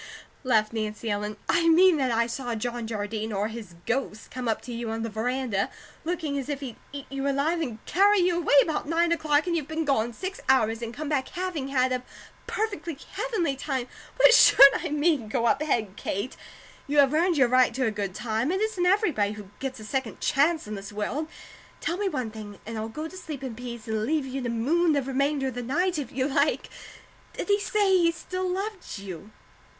'" laughed Nancy Ellen. "I mean that I saw John Jardine or his ghost come up to you on the veranda, looking as if he'd eat you alive, and carry you away about nine o'clock, and you've been gone six hours and come back having had a 'perfectly heavenly time.' What should I mean! Go up head, Kate! You have earned your right to a good time. It isn't everybody who gets a second chance in this world. Tell me one thing, and I'll go to sleep in peace and leave you to moon the remainder of the night, if you like. Did he say he still loved you?"